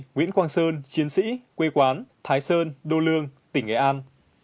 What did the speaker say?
hai mươi hai nguyễn quang sơn chiến sĩ quê quán thái sơn đô lương tỉnh nghệ an